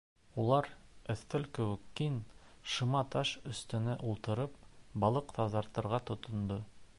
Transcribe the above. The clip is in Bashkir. Улар, өҫтәл кеүек киң, шыма таш өҫтөнә ултырып, балыҡ таҙартырға тотондо.